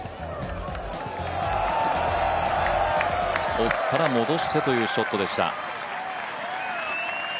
奥から戻してというショットでした。